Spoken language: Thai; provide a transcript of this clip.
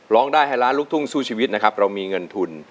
ร้องได้ให้ล้านลูกทุ่งสู้ชีวิตนะครับเรามีเงินทุน